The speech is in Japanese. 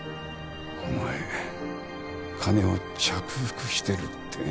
お前金を着服してるって？